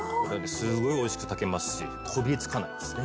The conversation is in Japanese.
すごい美味しく炊けますしこびりつかないんですね